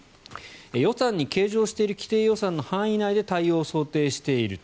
予算に計上している既定予算の範囲内で対応を想定している。